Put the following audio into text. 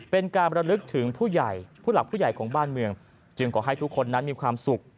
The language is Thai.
เป็นการบรรลึกถึงผู้ใหญ่ผู้หลักผู้ใหญ่ของบ้านเมืองจึงขอให้ทุกคนนั้นมีความสุข